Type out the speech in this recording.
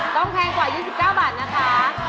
แพงกว่า๒๙บาทนะคะ